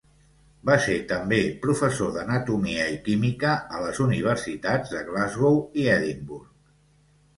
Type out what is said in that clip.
Va ser també professor d'anatomia i química a les universitats de Glasgow i Edimburg.